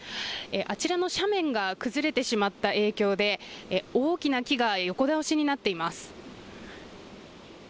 あちらの斜面が崩れてしまった影響で大きな木が横倒しになっています。